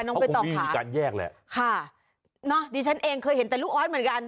ไม่ต้องมีการแยกแหละค่ะเนอะดิฉันเองเคยเห็นแต่ลูกออสเหมือนกัน